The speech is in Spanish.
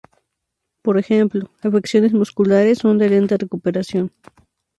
Por ejemplo, afecciones musculares son de lenta recuperación.